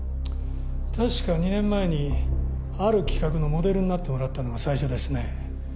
確か２年前にある企画のモデルになってもらったのが最初ですね。